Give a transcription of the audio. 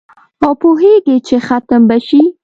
او پوهیږي چي ختم به شي